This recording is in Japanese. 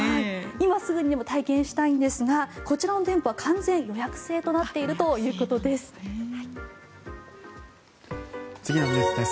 今すぐにでも体験したいんですがこちらの店舗は完全予約制となっているということです。